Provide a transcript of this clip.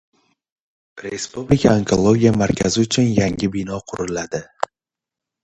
Respublika onkologiya markazi uchun yangi bino quriladi